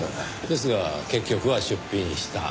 ですが結局は出品した。